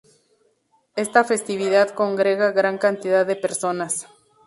Esta festividad congrega gran cantidad de personas.